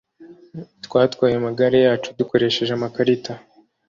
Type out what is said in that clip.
Twatwaye amagare yacu dukoresheje amakarita